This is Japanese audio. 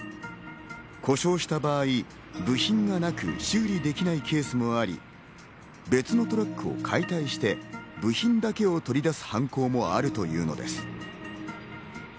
故障した場合、部品がなく修理できないケースもあり、別のトラックを解体して部品だけを取り出す犯行もあるというのです。